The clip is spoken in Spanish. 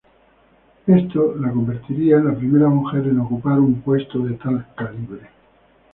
Esto la convertiría en la primera mujer en ocupar un puesto de tal calibre.